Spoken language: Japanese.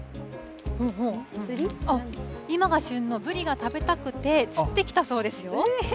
うんうん、今が旬のブリが食べたくて、釣ってきたそうですよ。